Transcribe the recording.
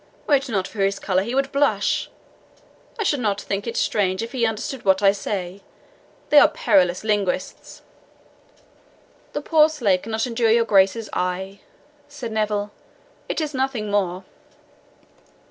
were it not for his colour he would blush. I should not think it strange if he understood what I say they are perilous linguists." "The poor slave cannot endure your Grace's eye," said Neville; "it is nothing more."